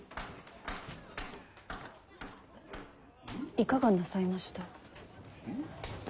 いかがなさいました？